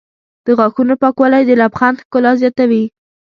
د غاښونو پاکوالی د لبخند ښکلا زیاتوي.